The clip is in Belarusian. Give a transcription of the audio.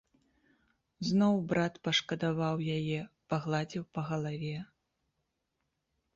Зноў брат пашкадаваў яе, пагладзiў па галаве.